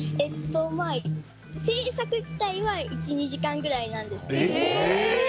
制作自体は１２時間くらいなんですけど。